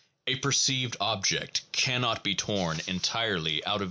A perceived object cannot be torn entirely out of its No.